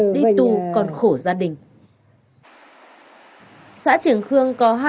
đi tù còn khổ